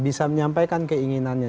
bisa menyampaikan keinginannya